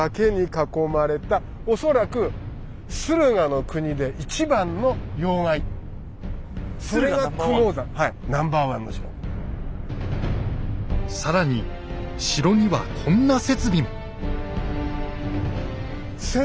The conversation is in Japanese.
恐らく更に城にはこんな設備も。